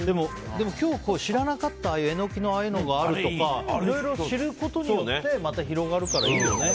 でも今日知らなかったエノキのああいうのがあるとかいろいろ、知ることによってまた広がるから、いいよね。